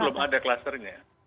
belum ada klasternya